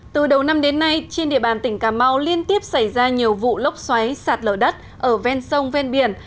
từ đầu năm đến nay trên địa bàn tỉnh cà mau liên tiếp xảy ra nhiều vụ lốc xoáy sạt lở đất ở ven sông ven biển